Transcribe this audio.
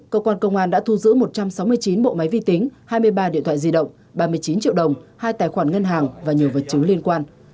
cơ quan công an đã thu giữ một trăm sáu mươi chín bộ máy vi tính hai mươi ba điện thoại di động ba mươi chín triệu đồng hai tài khoản ngân hàng và nhiều vật chứng liên quan